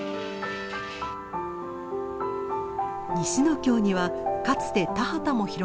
西ノ京にはかつて田畑も広がっていました。